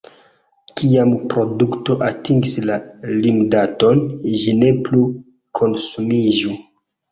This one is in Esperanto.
Kiam produkto atingis la limdaton, ĝi ne plu konsumiĝu.